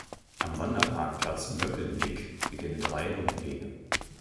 Am Wanderparkplatz "Böckelblick" beginnen drei Rundwege.